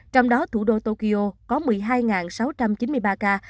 trong đó thủ đô tokyo có một mươi hai sáu trăm chín mươi ba ca